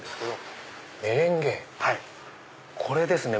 これですね